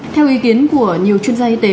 theo ý kiến của nhiều chuyên gia y tế